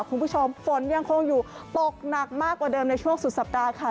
คุณผู้ชมฝนยังคงอยู่ตกหนักมากกว่าเดิมในช่วงสุดสัปดาห์ค่ะ